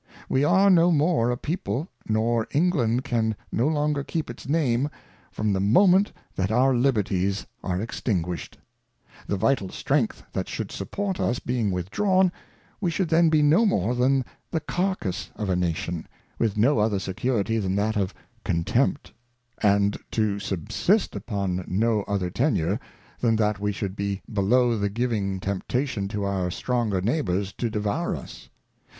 We are no more a People, nor England can no longer keep, its Name, from the moment that our Liberties are extinguish'd ; ^^im t" the Vital Strength that should support us being withdrawn, we i should then be no more than the Carcass of a Nation, with no other Security than that of Contempt ; and to subsist upon no other Tenure, than that we should be below the giving Tempta tion to our stronger Neighbours to devour us.